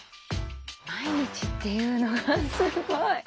毎日っていうのがすごい！